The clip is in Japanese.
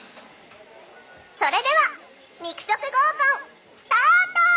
それでは肉食合コンスタート！